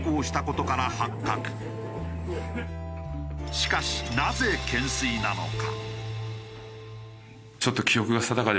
しかしなぜ懸垂なのか？